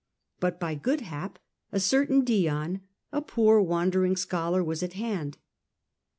Put by good hap, a certain Dion, a poor The mutiny wandering scholar, was at hand.